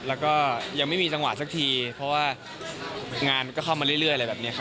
แล้วก็ยังไม่มีจังหวะสักทีเพราะว่างานก็เข้ามาเรื่อยอะไรแบบนี้ครับ